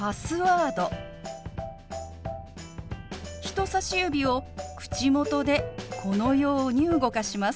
人さし指を口元でこのように動かします。